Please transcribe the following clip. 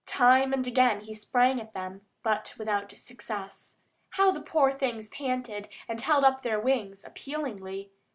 Time and again he sprang at them, but without success. How the poor things panted, and held up their wings appealingly!